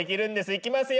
いきますよ！